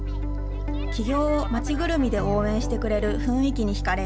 起業を町ぐるみで応援してくれる雰囲気に引かれ、